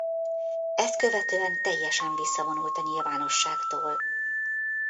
Ezt követően teljesen visszavonult a nyilvánosságtól.